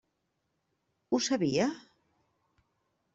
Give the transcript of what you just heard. Ho sabia?